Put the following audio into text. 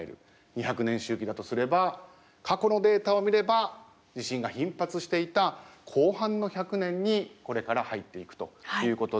２００年周期だとすれば過去のデータを見れば地震が頻発していた後半の１００年にこれから入っていくということで。